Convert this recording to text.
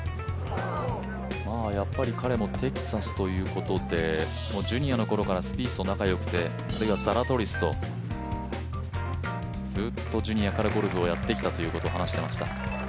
やっぱり彼もテキサスということでジュニアの頃からスピースと仲良くて、あるいはザラトリスとずっとジュニアからゴルフをやってきていたと話していました。